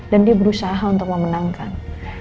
dan dia berusaha untuk memenangkan